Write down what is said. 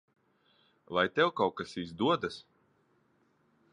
Vai tev kaut kas izdodas?